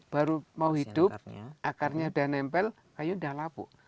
baru mau hidup akarnya sudah nempel kayu sudah lapuk